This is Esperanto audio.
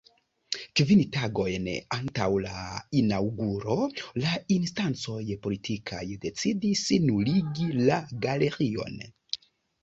Kvin tagojn antaŭ la inaŭguro la instancoj politikaj decidis nuligi la galerion.